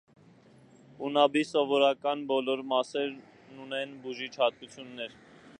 Ունաբի սովորականի բոլոր մասերն ունեն բուժիչ հատկություններ։